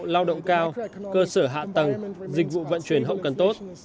lao động cao cơ sở hạ tầng dịch vụ vận chuyển hậu cần tốt